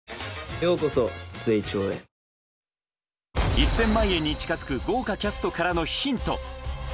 １０００万円に近づく豪華キャストからのヒント。